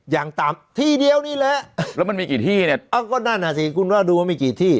อย่างต่ำที่เดียวนี่แหละแล้วมันมีกี่ที่เนี่ยเอ้าก็นั่นอ่ะสิคุณว่าดูว่ามีกี่ที่